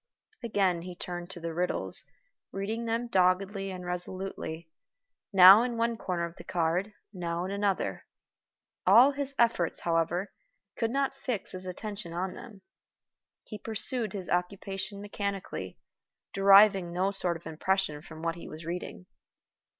Again he turned to the riddles, reading them doggedly and resolutely, now in one corner of the card, now in another. All his efforts, however, could not fix his attention on them. He pursued his occupation mechanically, deriving no sort of impression from what he was reading.